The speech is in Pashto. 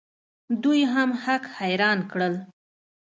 دوی هم هک حیران کړل.